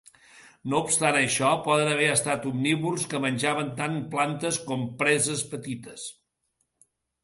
No obstant això, poden haver estat omnívors que menjaven tant plantes com preses petites.